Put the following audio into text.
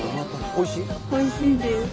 おいしいです。